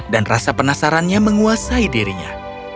dan rasa penasarannya menguasai dirinya